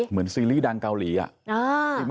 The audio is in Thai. เหมือนซีรีส์ดังเกาหลีอ่ะ